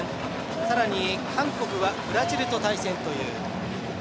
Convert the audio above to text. さらに、韓国はブラジルと対戦。